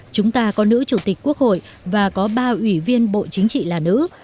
chúng ta có nữ chủ tịch quốc hội và có ba ủy viên bộ chính trị là nữ